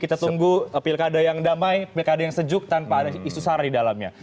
kita tunggu pilkada yang damai pilkada yang sejuk tanpa ada isu sara di dalamnya